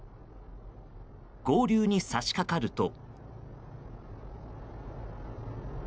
合流に差し掛かると。